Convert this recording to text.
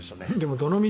どのみち